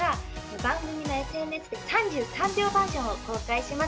番組のＳＮＳで３０秒バージョンを公開します。